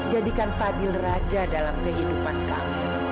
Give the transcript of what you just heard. jadikan fadil raja dalam kehidupan kami